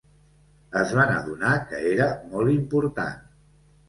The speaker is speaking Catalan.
Es van adonar que era molt important.